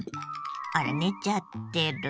あら寝ちゃってる。